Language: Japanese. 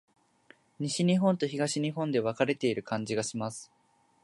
西日本と東日本で分かれている感じがします。